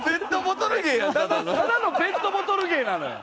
ただのペットボトル芸なのよ。